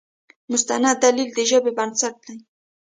مستند دلیل د ژبې بنسټ دی.